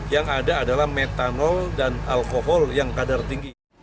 yang ada adalah metanol dan alkohol yang kadar tinggi